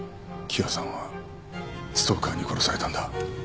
喜和さんはストーカーに殺されたんだ。